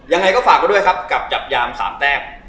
ยังไงก็ฝากไว้ด้วยครับกับจับยาม๓แต้ม